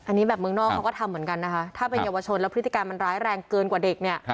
อันนี้แบบเมืองนอกเขาก็ทำเหมือนกันนะคะถ้าเป็นเยาวชนแล้วพฤติการมันร้ายแรงเกินกว่าเด็กเนี่ย